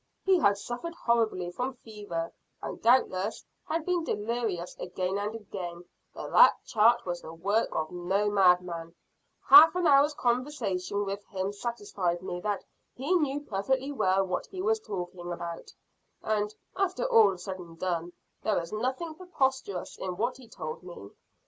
He had suffered horribly from fever, and doubtless had been delirious again and again, but that chart was the work of no madman; half an hour's conversation with him satisfied me that he knew perfectly well what he was talking about, and, after all said and done, there is nothing preposterous in what he told me.